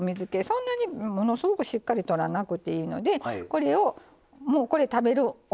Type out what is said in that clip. そんなにものすごくしっかりとらなくていいのでこれをもうこれ食べるお皿ね。